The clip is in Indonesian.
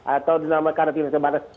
atau dinamakan isolasi terbatas